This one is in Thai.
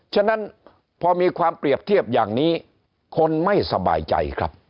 ฉะนั้นพอมีความเปรียบเทียบอย่างนี้คนไม่สบายใจครับ